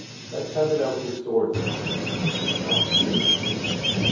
XI. "Let's have it out with swords gentleman, not pins!"